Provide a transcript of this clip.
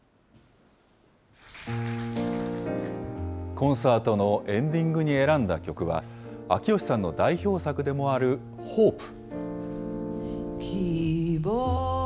コンサートのエンディングに選んだ曲は、秋吉さんの代表作でもあるＨＯＰＥ。